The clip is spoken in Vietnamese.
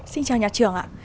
xin chào nhật trường ạ